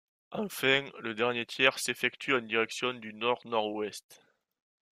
Enfin le dernier tiers s'effectue en direction du nord-nord-ouest.